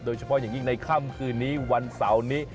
โดยเฉพาะอย่างยิ่งในค่ำคืนนี้วันเสาร์นี้